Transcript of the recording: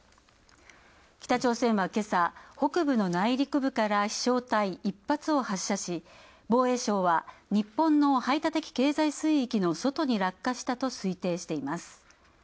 北朝鮮はけさ、北部の内陸部から飛しょう体１発を発射し、防衛相は日本の排他的経済水域の外に落下したと推定しています。